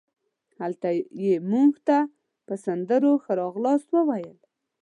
هلته یې مونږ ته په سندرو ښه راغلاست وویل.